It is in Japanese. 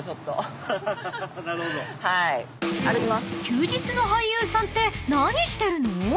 ［休日の俳優さんって何してるの？］